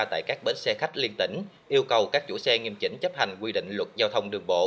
tại các bến xe khách liên tỉnh yêu cầu các chủ xe nghiêm chỉnh chấp hành quy định luật giao thông đường bộ